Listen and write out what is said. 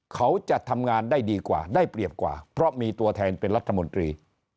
เขาจะทำงานได้ดีกว่าได้เปรียบกว่าเพราะมีตัวแทนเป็นรัฐมนตรี